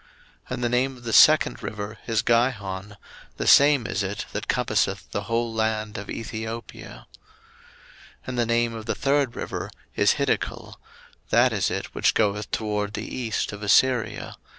01:002:013 And the name of the second river is Gihon: the same is it that compasseth the whole land of Ethiopia. 01:002:014 And the name of the third river is Hiddekel: that is it which goeth toward the east of Assyria.